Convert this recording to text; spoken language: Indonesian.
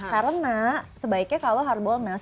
karena sebaiknya kalau harbolnas